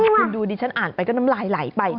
คุณดูดิฉันอ่านไปก็น้ำลายไหลไป